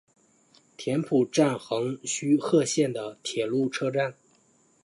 田浦站横须贺线的铁路车站。